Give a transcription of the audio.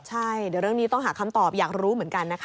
ใช่เดี๋ยวเรื่องนี้ต้องหาคำตอบอยากรู้เหมือนกันนะคะ